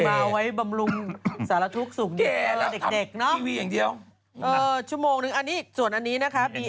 หาเงินมาไว้บำรุงสารทุกข์สุขเด็กเนอะชั่วโมงนึงอันนี้ส่วนอันนี้นะครับ